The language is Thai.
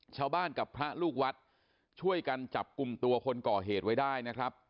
ชาวบ้านกับพระลูกวัดช่วยกันจับกลุ่มตัวคนก่อเหตุไว้ได้นะครับ